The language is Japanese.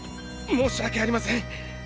申し訳ありません。